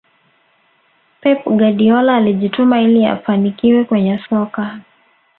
pep guardiola alijituma ili afanikiwe kwenye soka